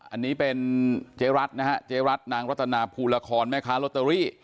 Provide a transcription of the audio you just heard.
อันนี้เป็นเจ๊รัฐนะฮะเจ๊รัฐนางรัตนาภูละครแม่ค้าลอตเตอรี่